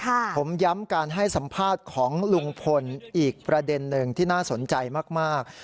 ผมย้ำการให้สัมภาษณ์ของลุงพลอีกประเด็นหนึ่งที่น่าสนใจมาก